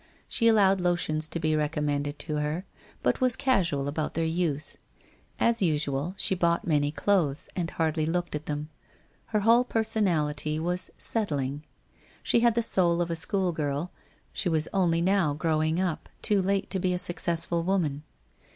She allowed lotions to be recommended to her, but was casual about their use. As usual, she bought many clothes, and hardly looked at them. Her whole per sonality was 'settling.' She had the soul of a schoolgirl; she was only now growing up, too late to be a successful woman.